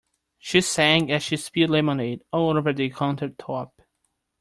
She sang as she spilled lemonade all over the countertop.